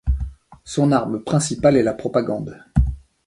Son arme principale est la propagande.